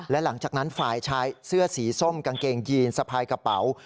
และหลังจากนั้นฝ่ายชายเสื้อสีส้มกางเกงยีนสะพายกระเป๋า